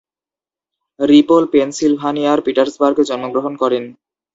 Ripple পেনসিলভানিয়ার পিটসবার্গে জন্মগ্রহণ করেন।